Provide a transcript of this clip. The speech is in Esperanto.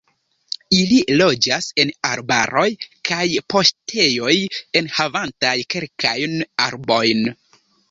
Ili loĝas en arbaroj kaj paŝtejoj enhavantaj kelkajn arbojn.